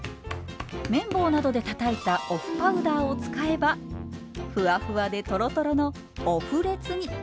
麺棒などでたたいたお麩パウダーを使えばふわふわでとろとろのオ麩レツに。